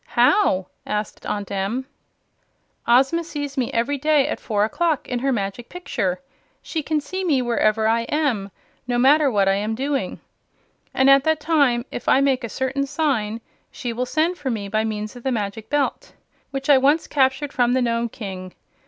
"How?" asked Aunt Em. "Ozma sees me every day at four o'clock, in her Magic Picture. She can see me wherever I am, no matter what I am doing. And at that time, if I make a certain secret sign, she will send for me by means of the Magic Belt, which I once captured from the Nome King.